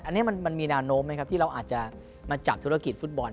อันนี้มันมีแนวโน้มไหมครับที่เราอาจจะมาจับธุรกิจฟุตบอล